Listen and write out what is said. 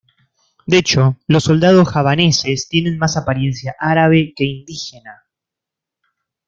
De hecho, los soldados javaneses tienen más apariencia árabe que indígena.